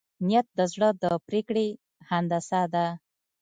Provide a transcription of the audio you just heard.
نیت د زړه د پرېکړې هندسه ده.